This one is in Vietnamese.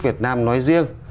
việt nam nói riêng